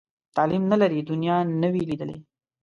تعلیم نه لري، دنیا نه وي لیدلې.